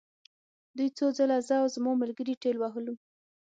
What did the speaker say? دوی څو ځله زه او زما ملګري ټېل وهلو